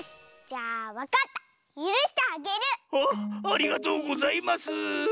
ありがとうございます！